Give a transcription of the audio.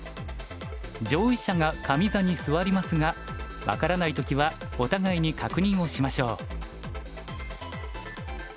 上位者が上座に座りますが分からないときはお互いに確認をしましょう。